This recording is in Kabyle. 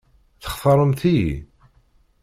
Textaṛemt-iyi?